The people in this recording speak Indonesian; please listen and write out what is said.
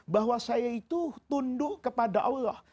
bahwa saya itu tunduk kepada allah